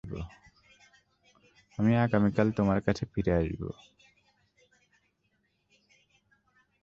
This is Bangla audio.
আমি আগামীকাল তোমার কাছে ফিরে আসবো।